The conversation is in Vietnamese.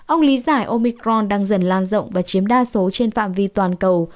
ông lý giải omicron đang dần lan rộng và chiếm đa số trên phạm vi toàn cầu